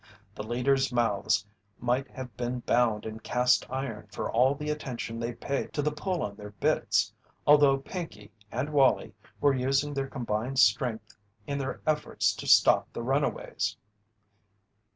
The leaders' mouths might have been bound in cast iron for all the attention they paid to the pull on their bits, although Pinkey and Wallie were using their combined strength in their efforts to stop the runaways.